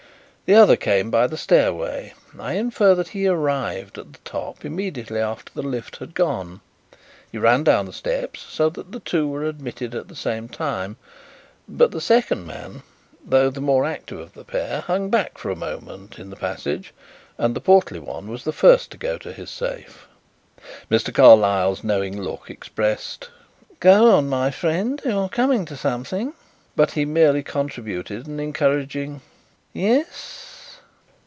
The other came by the stairway. I infer that he arrived at the top immediately after the lift had gone. He ran down the steps, so that the two were admitted at the same time, but the second man, though the more active of the pair, hung back for a moment in the passage and the portly one was the first to go to his safe." Mr. Carlyle's knowing look expressed: "Go on, my friend; you are coming to something." But he merely contributed an encouraging "Yes?"